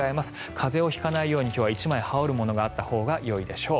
風邪をひかないように今日は１枚羽織るものがあるといいでしょう。